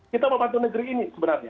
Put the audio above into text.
kita membantu negeri ini sebenarnya